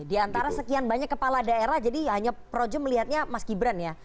di antara sekian banyak kepala daerah jadi hanya projo melihatnya mas gibran ya